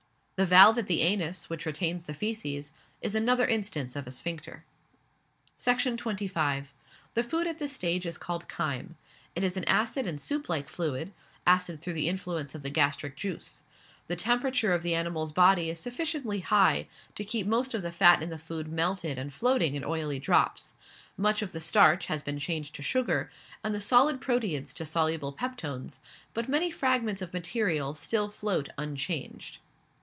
The valve at the anus, which retains the faeces, is another instance of a sphincter. Section 25. The food at this stage is called chyme; it is an acid and soup like fluid acid through the influence of the gastric juice. The temperature of the animal's body is sufficiently high to keep most of the fat in the food melted and floating in oily drops; much of the starch, has been changed to sugar, and the solid proteids to soluble peptones, but many fragments of material still float unchanged.